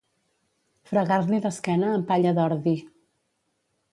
Fregar-li l'esquena amb palla d'ordi.